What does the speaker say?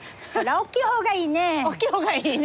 おっきい方がいいね。